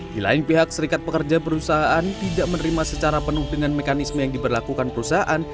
di lain pihak serikat pekerja perusahaan tidak menerima secara penuh dengan mekanisme yang diberlakukan perusahaan